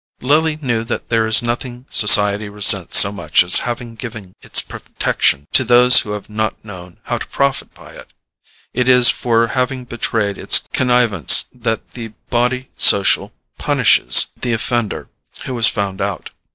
Lily knew that there is nothing society resents so much as having given its protection to those who have not known how to profit by it: it is for having betrayed its connivance that the body social punishes the offender who is found out.